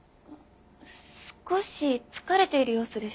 少し疲れている様子でした。